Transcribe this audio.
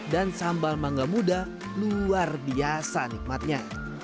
dan sambal mangga muda luar biasa nikmatnya